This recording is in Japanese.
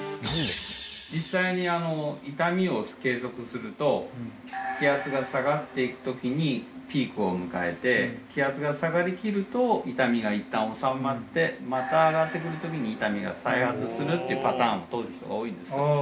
実際に痛みを継続すると気圧が下がっていく時にピークを迎えて気圧が下がりきると痛みがいったん治まってまた上がってくる時に痛みが再発するっていうパターンを通る人が多いんですあ